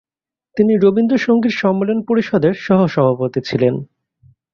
তিনি রবীন্দ্রসংগীত সম্মেলন পরিষদের সহ-সভাপতি ছিলেন।